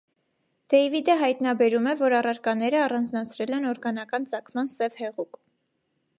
Դեյվիդը հայտնաբերում է, որ առարակները առանձնացրել են օրգանական ծագման սև հեղուկ։